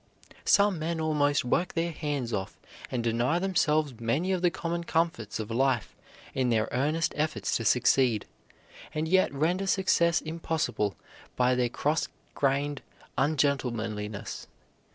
Some men almost work their hands off and deny themselves many of the common comforts of life in their earnest efforts to succeed, and yet render success impossible by their cross grained ungentlemanliness.